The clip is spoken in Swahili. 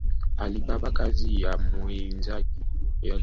Aliiba kazi ya mwenzake